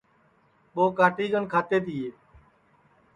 ٻو کاٹی کن کھاتے تیے